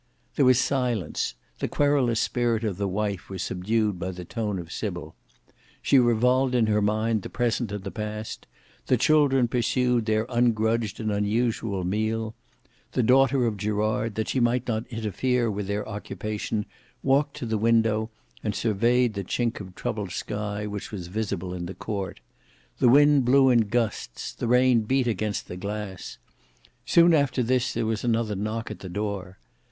There was silence; the querulous spirit of the wife was subdued by the tone of Sybil; she revolved in her mind the present and the past; the children pursued their ungrudged and unusual meal; the daughter of Gerard, that she might not interfere with their occupation, walked to the window and surveyed the chink of troubled sky, which was visible in the court. The wind blew in gusts; the rain beat against the glass. Soon after this, there was another knock at the door.